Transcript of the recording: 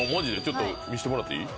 ちょっと見せてもらっていい？